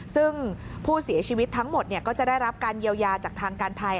ซึ่งผู้เสียชีวิตทั้งหมดก็จะได้รับการเยียวยาจากทางการไทย